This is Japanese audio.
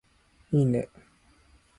いいね